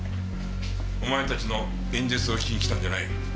お前たちの演説を聞きにきたんじゃない。